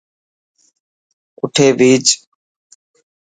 آٺي ڀيهچ.